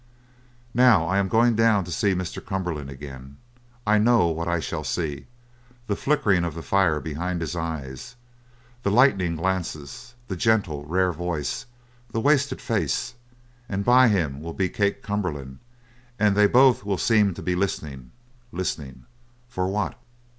"Now I am going down to see Mr. Cumberland again. I know what I shall see the flickering of the fire behind his eyes. The lightning glances, the gentle, rare voice, the wasted face; and by him will be Kate Cumberland; and they both will seem to be listening, listening for what?